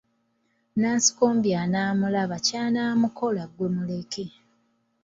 Nansikombi anaamulaba ky'anamukola gwe muleke.